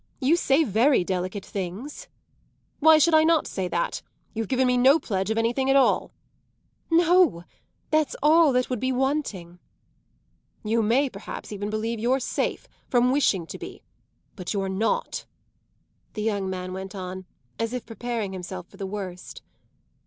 You say very delicate things." "Why should I not say that? You've given me no pledge of anything at all." "No, that's all that would be wanting!" "You may perhaps even believe you're safe from wishing to be. But you're not," the young man went on as if preparing himself for the worst.